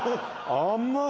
甘い！